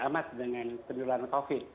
amat dengan penduluan covid